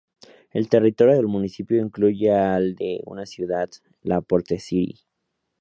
El territorio del municipio incluye al de una ciudad, La Porte City.